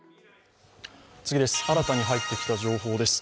新たに入ってきた情報です。